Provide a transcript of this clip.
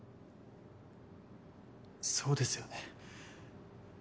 そうですよね。